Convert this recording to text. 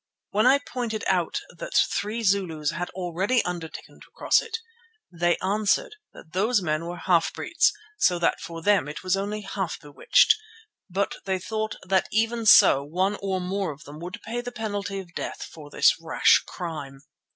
When I pointed out that three Zulus had already undertaken to cross it, they answered that those men were half breeds, so that for them it was only half bewitched, but they thought that even so one or more of them would pay the penalty of death for this rash crime.